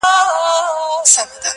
سترګي د محفل درته را واړوم!!